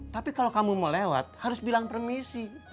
tapi kalau kamu mau lewat harus bilang permisi